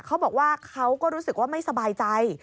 เขาบอกว่าเขาก็รู้สึกว่าไม่สบายใจ